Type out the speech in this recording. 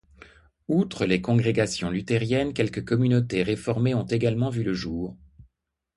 Outre les congrégations luthériennes, quelques communautés réformées ont également vu le jour.